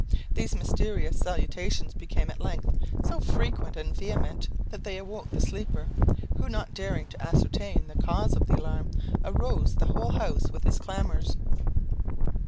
These mysterious salutations became, at length, so frequent and vehement that they awoke the sleeper, who, not daring to ascertain the cause of the alarm, aroused the whole house with his clamours.